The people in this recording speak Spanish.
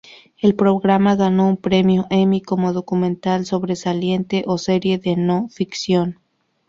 El programa ganó un premio Emmy como Documental Sobresaliente o Serie de no Ficción.